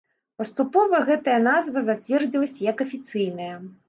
Паступова гэтая назва зацвердзілася як афіцыйная.